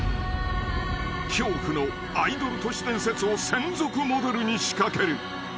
［恐怖のアイドル都市伝説を専属モデルに仕掛ける］